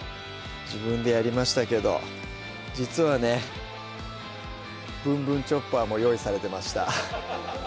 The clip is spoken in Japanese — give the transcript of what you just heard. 自分でやりましたけど実はね「ぶんぶんチョッパー」も用意されてました